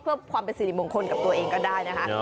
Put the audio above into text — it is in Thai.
เพื่อความเป็นสิริมงคลกับตัวเองก็ได้นะคะ